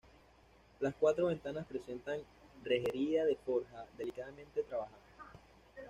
Las cuatro ventanas presentan rejería de forja, delicadamente trabajada.